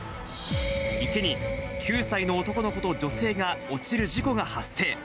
池に９歳の男の子と女性が落ちる事故が発生。